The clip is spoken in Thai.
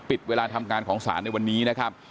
ปิดเวลาทำงานของศาลในวันนี้นะครับ